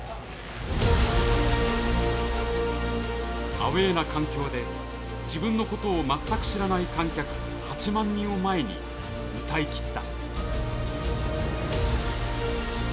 アウェーな環境で自分のことを全く知らない観客８万人を前に歌いきった。